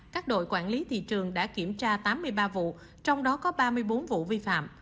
các đội quản lý thị trường đã kiểm tra tám mươi ba vụ trong đó có ba mươi bốn vụ vi phạm